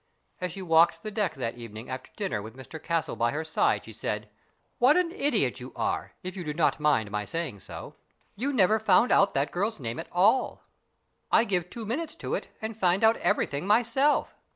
As she walked the deck that evening after dinner with Mr Castle by her side she said, "What an idiot you are, if you do not mind my saying so. 72 STORIES IN GREY You never found out that girl's name at all. I give two minutes to it, and find out everything myself."